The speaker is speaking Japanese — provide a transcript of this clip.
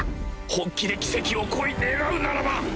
本気で奇跡を希うならば！